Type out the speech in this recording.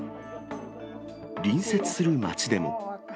隣接する町でも。